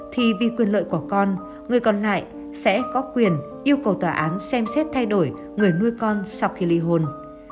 thì vì quyền lợi của con người còn lại sẽ có quyền yêu cầu tòa án xem xét thay đổi người nuôi con sau khi ly hôn